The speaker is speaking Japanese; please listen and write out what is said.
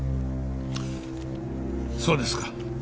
そうですか。